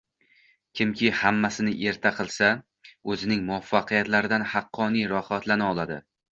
Kimki hammasini erta qilsa, o`zining muvaffaqiyatidan haqqoniy rohatlana oladi